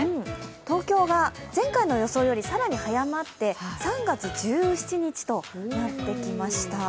東京は前回の予想より更に早まって３月１７日となってきました。